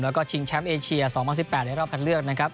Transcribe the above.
แล้วก็ชิงแชมป์เอเชีย๒๐๑๘ในรอบคันเลือกนะครับ